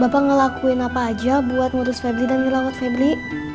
bapak ngelakuin apa aja buat ngurus febri dan ngelawat febri